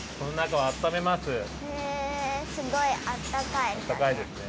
へえすごいあったかいんだね。